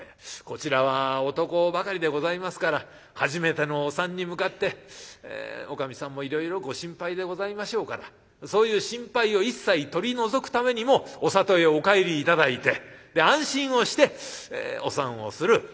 こちらは男ばかりでございますから初めてのお産に向かっておかみさんもいろいろご心配でございましょうからそういう心配を一切取り除くためにもお里へお帰り頂いて安心をしてお産をする。